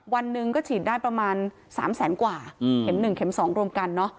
วันหนึ่งก็ฉีดได้ประมาณ๓แสนกว่าเข็ม๑เข็ม๒รวมกันเนอะ